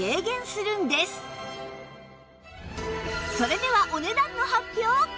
それではお値段の発表！